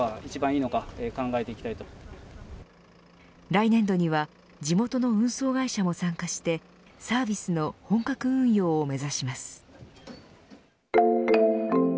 来年度には地元の運送会社も参加してサービスの本格運用を目指します。